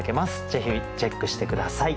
ぜひチェックして下さい。